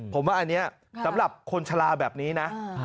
ผมว่าอันนี้สำหรับคนชะลาแบบนี้นะ